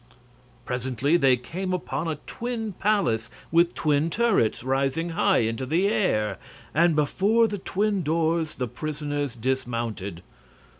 Presently they came upon a twin palace with twin turrets rising high into the air; and before the twin doors the prisoners dismounted.